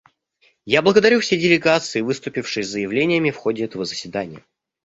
Я благодарю все делегации, выступившие с заявлениями в ходе этого заседания.